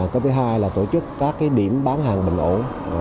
cái thứ hai là tổ chức các điểm bán hàng bình ổn